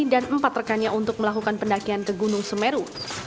dan empat rekannya untuk melakukan pendakian ke gunung semeru